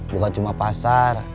bukan cuma pasar